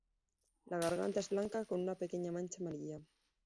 La garganta es blanca con una pequeña mancha amarilla.